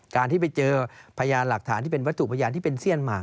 การที่ไปเจอพยานหลักฐานที่เป็นวัตถุพยานที่เป็นเสี้ยนหมาก